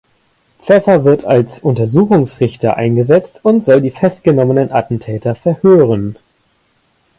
Pfeffer wird als Untersuchungsrichter eingesetzt und soll die festgenommenen Attentäter verhören.